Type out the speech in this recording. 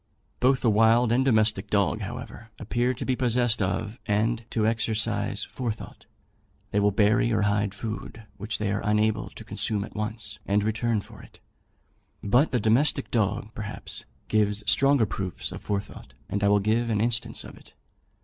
Both the wild and domestic dog, however, appear to be possessed of and to exercise forethought. They will bury or hide food, which they are unable to consume at once, and return for it. But the domestic dog, perhaps, gives stronger proofs of forethought; and I will give an instance of it.